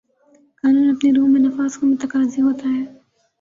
قانون اپنی روح میں نفاذ کا متقاضی ہوتا ہے